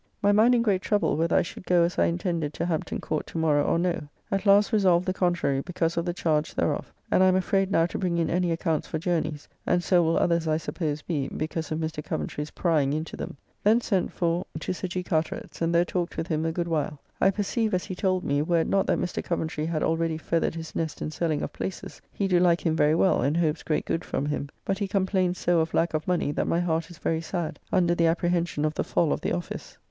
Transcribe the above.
My mind in great trouble whether I should go as I intended to Hampton Court to morrow or no. At last resolved the contrary, because of the charge thereof, and I am afraid now to bring in any accounts for journeys, and so will others I suppose be, because of Mr. Coventry's prying into them. Thence sent for to Sir G. Carteret's, and there talked with him a good while. I perceive, as he told me, were it not that Mr. Coventry had already feathered his nest in selling of places, he do like him very well, and hopes great good from him. But he complains so of lack of money, that my heart is very sad, under the apprehension of the fall of the office.